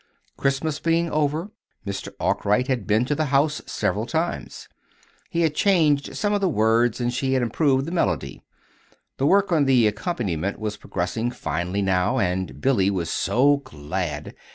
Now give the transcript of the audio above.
Christmas being over, Mr. Arkwright had been to the house several times. He had changed some of the words and she had improved the melody. The work on the accompaniment was progressing finely now, and Billy was so glad!